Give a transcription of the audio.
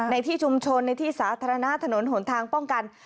ในที่ชุมชนในที่สาธารณะถนนหนทางป้องกัน